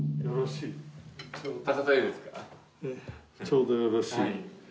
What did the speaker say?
ええちょうどよろしい。